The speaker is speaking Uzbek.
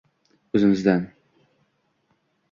O'zimizdan: